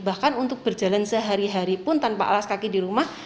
bahkan untuk berjalan sehari hari pun tanpa alas kaki di rumah